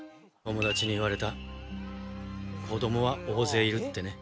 「友達に言われた」「子供は大勢いるってね」